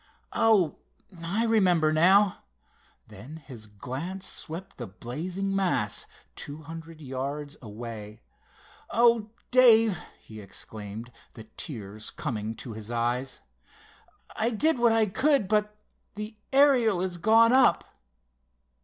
Oh, I remember now!" Then his glance swept the blazing mass two hundred yards away. "Oh, Dave!" he exclaimed, the tears coming to his eyes. "I did what I could, but the Ariel is gone up!"